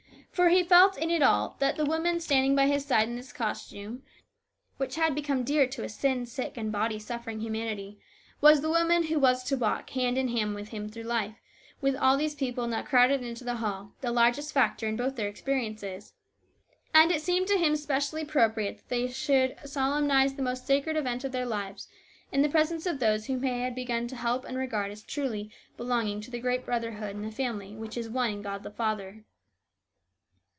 For he felt in it all that this woman standing by his side in this costume, which had become dear to a sin sick and body suffering humanity, was the woman who was to walk hand in hand with him through life with all these people now crowded into the hall, the largest factor in both their experiences. And it seemed to him specially appropriate that they should solemnise the most sacred event of their lives in the presence of those whom they had begun to help and regard as truly belonging to the great brotherhood in the family which is one in God the Father.